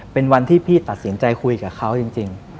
เป็นวันที่พี่ตัดสินใจคุยกับเขาจริง